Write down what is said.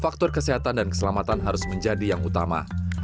faktor kesehatan dan keselamatan harus menjadi yang utama